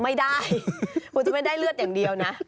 ไม่ได้คุณจะไม่ได้เลือดอย่างเดียวนะ